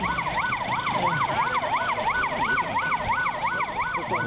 อายุ๒๖ปี